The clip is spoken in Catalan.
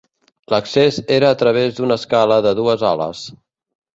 L'accés era a través d'una escala de dues ales.